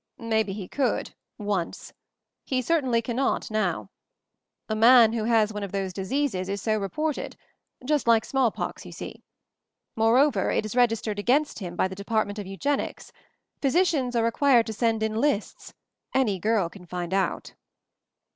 "Maybe he could — once. He certainly cannot now. A man who has one of those diseases is so reported — just like small pox, ; you see. Moreover, it is registered against him by the Department of Eugenics — phy sicians are required to send in lists ; any girl can find out."